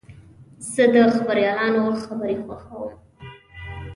زه د خبریالانو خبرې خوښوم.